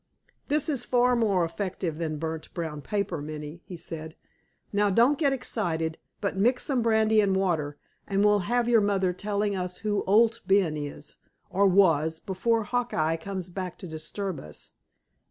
"This is far more effective than burnt brown paper, Minnie," he said. "Now, don't get excited, but mix some brandy and water, and we'll have your mother telling us who Owd Ben is, or was, before Hawk eye comes back to disturb us.